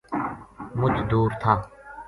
مُچ دُور تھا